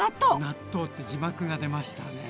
納豆って字幕が出ましたね。